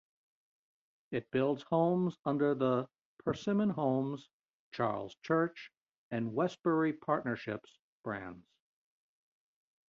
It builds homes under the Persimmon homes, Charles Church and Westbury Partnerships brands.